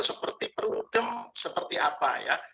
seperti perludem seperti apa ya